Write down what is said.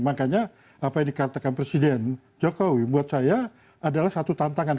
makanya apa yang dikatakan presiden jokowi buat saya adalah satu tantangan